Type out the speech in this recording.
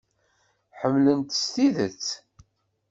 Ḥemmlen-t s tidet.